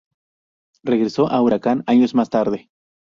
Regresó a Huracán años más tarde.